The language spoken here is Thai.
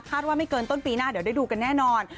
ว่าไม่เกินต้นปีหน้าเดี๋ยวได้ดูกันแน่นอน